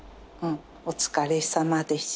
お疲れさまでした。